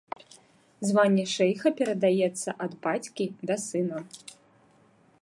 Званне шэйха перадаецца ад бацькі да сына.